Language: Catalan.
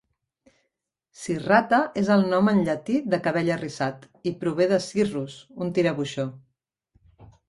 "Cirrhata" és el nom en llatí de "cabell arrissat" i prové de "cirrus", un tirabuixó.